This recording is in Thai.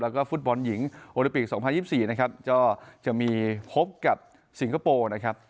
แล้วก็ฟุตบอลหญิงโอลิปิก๒๐๒๔นะครับก็จะมีพบกับสิงคโปร์นะครับ